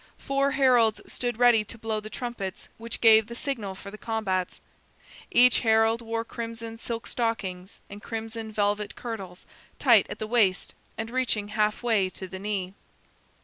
Four heralds stood ready to blow the trumpets which gave the signal for the combats. Each herald wore crimson silk stockings and crimson velvet kirtles, tight at the waist, and reaching half way to the knee.